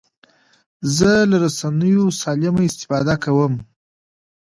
زه له رسنیو سالمه استفاده کوم.